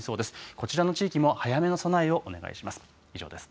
こちらの地域も早めの備えをお願いします。